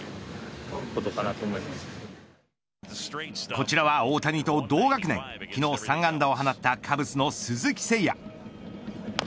こちらは、大谷と同学年昨日３安打を放ったカブスの鈴木誠也。